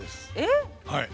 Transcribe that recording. はい。